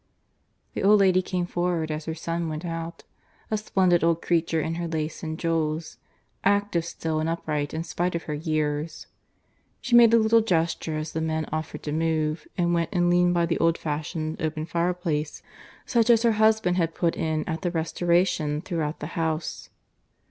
The old lady came forward as her son went out a splendid old creature in her lace and jewels active still and upright in spite of her years. She made a little gesture as the men offered to move, and went and leaned by the old fashioned open fire place, such as her husband had put in at the restoration throughout the house.